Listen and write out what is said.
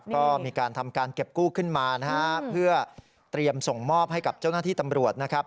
ก็มีการทำการเก็บกู้ขึ้นมานะฮะเพื่อเตรียมส่งมอบให้กับเจ้าหน้าที่ตำรวจนะครับ